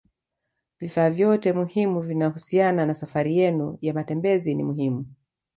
Vifaa vyote muhimu vinavyohusiana na safari yenu ya matembezi ni muhimu